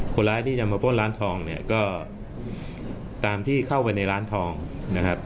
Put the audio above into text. คนร้ายที่จะมาปล้นร้านทองเนี่ยก็ตามที่เข้าไปในร้านทองนะครับ